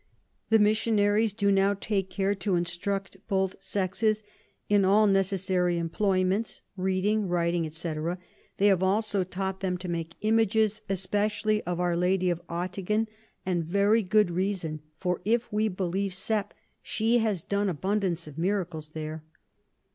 The Missionaries do now take care to instruct both Sexes in all necessary Employments, Reading, Writing, &c. They have also taught 'em to make Images, especially of our Lady of Ottingen; and very good reason, for if we believe Sepp, she has done abundance of Miracles there.